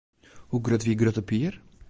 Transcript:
Hoe grut wie Grutte Pier?